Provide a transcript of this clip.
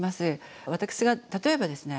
私が例えばですね